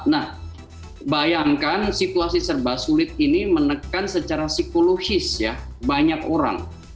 nah bayangkan situasi serba sulit ini menekan secara psikologis ya banyak orang